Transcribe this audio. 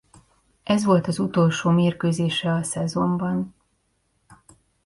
Ez volt az utolsó mérkőzése a szezonban.